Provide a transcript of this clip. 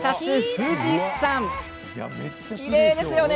富士山きれいですよね。